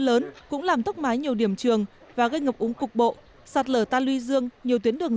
lớn cũng làm tốc mái nhiều điểm trường và gây ngập úng cục bộ sạt lở ta luy dương nhiều tuyến đường